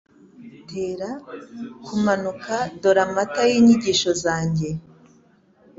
Tera kumanuka dore amata yinyigisho zanjye